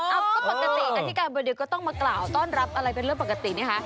อาธิการบดีก็ต้องมากล่าวต้อนรับอะไรเป็นเรื่องปกตินี่ฮะ